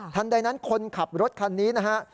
ใดนั้นคนขับรถคันนี้นะฮะ